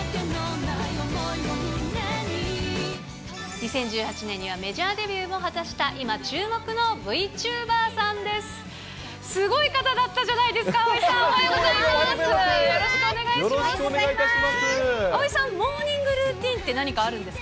２０１８年にはメジャーデビューも果たした、今注目のＶチューバーさんです。